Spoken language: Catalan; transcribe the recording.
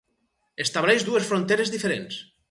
Estableix dues fronteres diferents.